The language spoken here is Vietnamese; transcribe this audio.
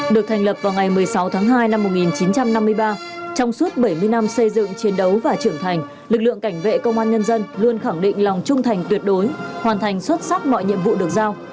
được thành lập vào ngày một mươi sáu tháng hai năm một nghìn chín trăm năm mươi ba trong suốt bảy mươi năm xây dựng chiến đấu và trưởng thành lực lượng cảnh vệ công an nhân dân luôn khẳng định lòng trung thành tuyệt đối hoàn thành xuất sắc mọi nhiệm vụ được giao